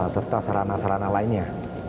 serta sarana sarana lainnya